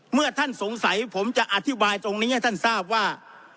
เมื่อท่านสงสัยผมจะอธิบายตรงนี้ให้ท่านทราบว่า